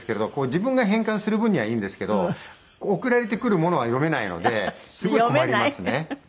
自分が変換する分にはいいんですけど送られてくるものは読めないのですごい困りますね。